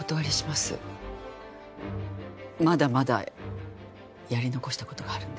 まだまだやり残した事があるんです。